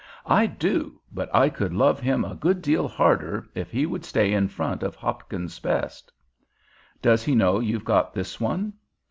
"I do, but I could love him a good deal harder if he would stay in front of Hopkins's best." "Does he know you've got this one?"